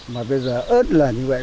mà bây giờ ớt là như vậy